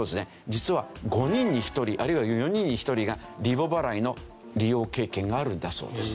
実は５人に１人あるいは４人に１人がリボ払いの利用経験があるんだそうです。